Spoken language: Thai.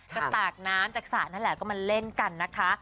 ตากน้ำจากสระนั่นแหละก็มาเล่นกันนะคะ